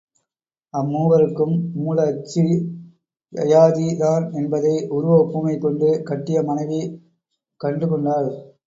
அம்மூவருக்கும் மூல அச்சு யயாதி தான் என்பதை உருவ ஒப்புமை கொண்டு கட்டியமனைவி கண்டுகொண்டாள்.